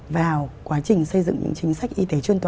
vào quá trình xây dựng những trình bày